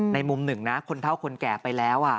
มุมหนึ่งนะคนเท่าคนแก่ไปแล้ว